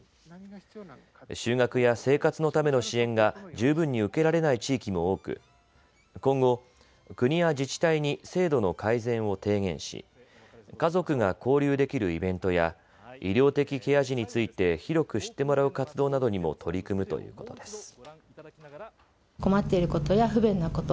就学や生活のための支援が十分に受けられない地域も多く今後、国や自治体に制度の改善を提言し家族が交流できるイベントや医療的ケア児について広く知ってもらう活動などにも取り組むということです。